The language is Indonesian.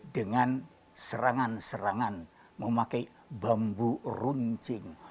dengan serangan serangan memakai bambu runcing